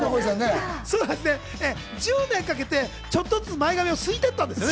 １０年かけて、ちょっとずつ前髪をすいていったんですね。